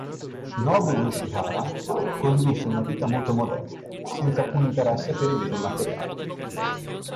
Shinobu Ishihara condusse una vita molto modesta, senza alcun interesse per i beni materiali.